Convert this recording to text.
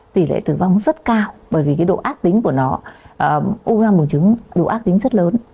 tỷ lệ tử vong rất cao bởi vì độ ác tính của nó u năng buồng trứng độ ác tính rất lớn